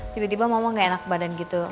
tiba tiba mama gak enak badan gitu